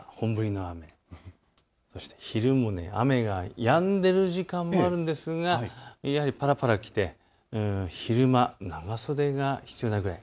そして昼も雨がやんでいる時間もあるんですがぱらぱら来て昼間、長袖が必要になるくらい。